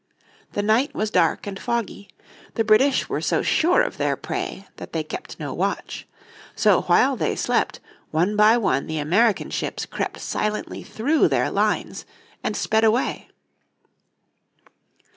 The night was dark and foggy. The British were so sure of their prey that they kept no watch. So while they slept one by one the American ships crept silently through their lines and sped away.